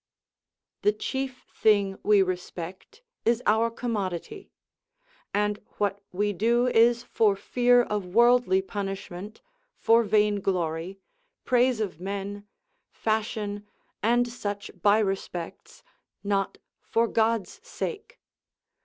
The chief thing we respect is our commodity; and what we do is for fear of worldly punishment, for vainglory, praise of men, fashion, and such by respects, not for God's sake.